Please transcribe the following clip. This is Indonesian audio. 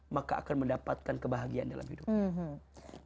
maka akan mendapatkan kebahagiaan dalam hidupnya